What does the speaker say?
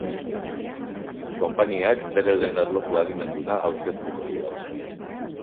Konpainiak bere lehen erloju adimenduna aurkeztuko du gaur.